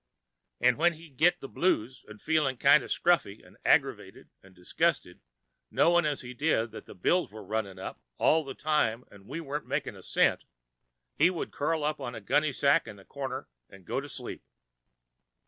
An' when he'd git the blues, 'n' feel kind o' scruffy, 'n' aggravated 'n' disgusted—knowin' as he did, that the bills was runnin' up all the time an' we warn't makin' a cent—he would curl up on a gunny sack in the corner an' go to sleep.